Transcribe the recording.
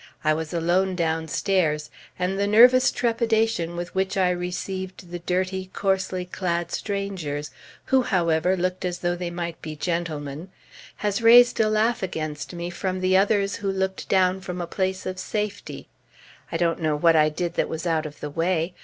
I was alone downstairs, and the nervous trepidation with which I received the dirty, coarsely clad strangers, who, however, looked as though they might be gentlemen, has raised a laugh against me from the others who looked down from a place of safety. I don't know what I did that was out of the way.